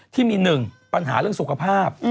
ที่มี๑ปัญหาเรื่องสุขภาพ